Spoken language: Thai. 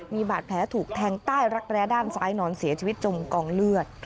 มีบาดแผลถูกแทงใต้รักแร้ด้านซ้ายนอนเสียชีวิตจมกองเลือด